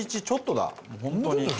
ちょっとだ本当に。